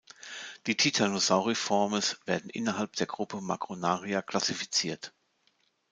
Die Titanosauriformes werden innerhalb der Gruppe Macronaria klassifiziert.